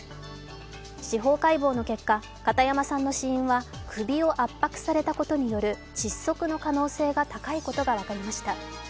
司法解剖の結果、片山さんの死因は首を圧迫されたことによる窒息の可能性が高いことが分かりました。